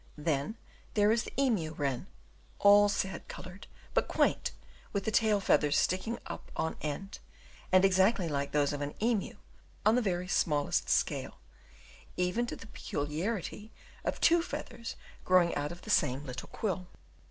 Then there is the emu wren, all sad coloured, but quaint, with the tail feathers sticking up on end, and exactly like those of an emu; on the very smallest scale, even to the peculiarity of two feathers growing out of the same little quill.